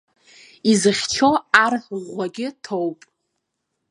Изыхьчо ар ӷәӷәагьы ҭоуп.